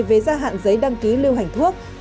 về gia hạn giấy đăng ký lưu hành thuốc